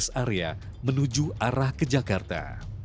jumlah mobil tersebut bergerak menuju arah ke jakarta